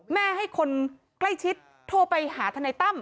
ให้คนใกล้ชิดโทรไปหาทนายตั้ม